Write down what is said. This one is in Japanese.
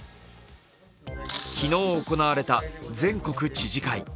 昨日行われた全国知事会。